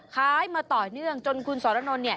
มาต่อเนื่องจนคุณสรนนท์เนี่ย